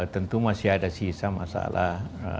tentu masih ada sisa masalah